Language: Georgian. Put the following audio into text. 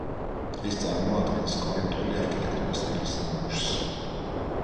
ის წარმოადგენს კორინთული არქიტექტურის სტილის ნიმუშს.